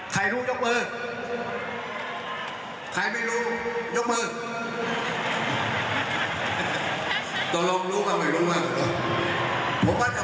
ใครรู้ยกมือ